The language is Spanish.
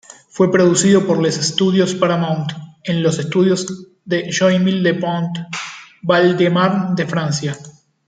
Fue producido por "Les Studios Paramount", en los estudios de Joinville-le-Pont, Val-de-Marne de Francia.